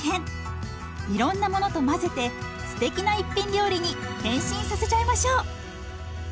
いろんなものと混ぜてすてきな一品料理に変身させちゃいましょう。